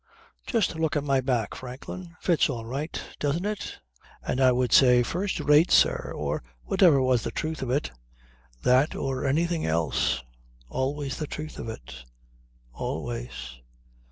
'Just look at my back, Franklin. Fits all right, doesn't it?' And I would say: 'First rate, sir,' or whatever was the truth of it. That or anything else. Always the truth of it. Always.